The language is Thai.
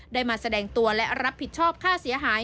ได้มาแสดงตัวและรับผิดชอบค่าเสียหาย